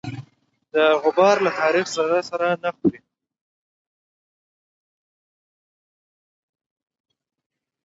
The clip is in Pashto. د غبار له تاریخ سره سر نه خوري.